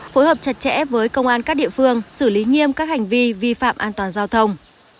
phối hợp chặt chẽ với công an các địa phương xử lý nghiêm các hành vi vi phạm an toàn giao thông